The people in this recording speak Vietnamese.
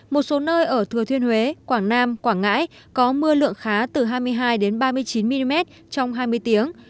một số nơi ở thừa thiên huế quảng nam quảng ngãi có mưa lượng khá từ hai mươi hai ba mươi chín mm trong hai mươi tiếng